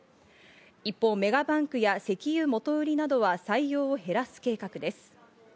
一方、メガバンクや石油元売りなどは採用を減らす計画です。